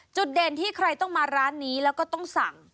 จุดเด่นที่ใครต้องมาร้านนี้แล้วก็ต้องสั่ง